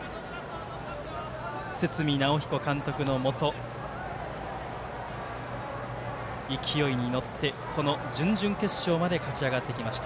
堤尚彦監督のもと勢いに乗って、この準々決勝まで勝ち上がってきました。